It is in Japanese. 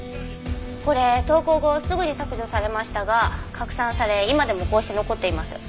これ投稿後すぐに削除されましたが拡散され今でもこうして残っています。